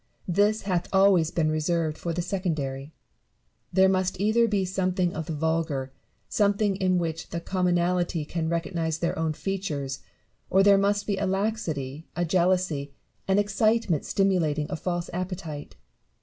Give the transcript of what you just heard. This hath always been reserved for the secondary. There must either be something of the vulgar, something in which the common alty can recognise their own features, or there must be a laxity, a jealousy, an excitement stimulating a false appetite.